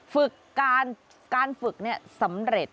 ฝึกการฝึกสำเร็จ